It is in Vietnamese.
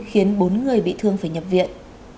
khiến bốn người bị thương phải nhập viện